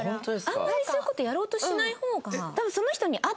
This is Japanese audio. あんまりそういう事やろうとしない方が。